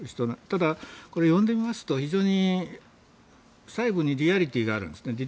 ただ、読んでみますと非常に細部にリアリティーがあるんですね。